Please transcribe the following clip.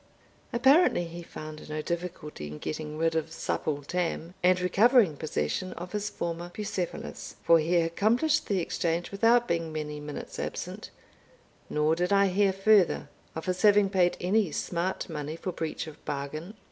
Apparently he found no difficulty in getting rid of Supple Tam, and recovering possession of his former Bucephalus, for he accomplished the exchange without being many minutes absent; nor did I hear further of his having paid any smart money for breach of bargain.